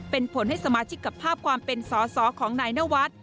เป็นผลให้สมาชิกกับภาพความเป็นสอสอของนายนวัฒน์